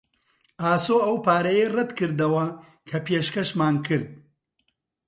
ئاسۆ ئەو پارەیەی ڕەت کردەوە کە پێشکەشمان کرد.